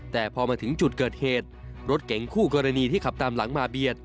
แต่พอมาถึงจุดเกิดเหตุรถเก๋งคู่กรณีที่ขับตามหลังมาเบียด